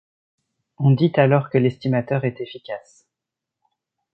On dit alors que l'estimateur est efficace.